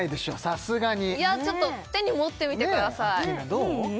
さすがにちょっと手に持ってみてくださいねぇアッキーナどう？